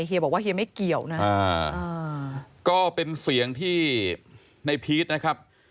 บอกว่าเฮียไม่เกี่ยวนะก็เป็นเสียงที่ในพีชนะครับ